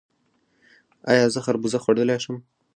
ایا زه خربوزه خوړلی شم؟